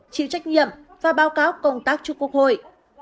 chịu trách nhiệm và báo cáo công tác cho quốc hội